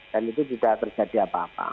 dan itu tidak terjadi apa apa